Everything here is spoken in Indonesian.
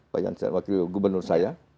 pak jansen wakil gubernur saya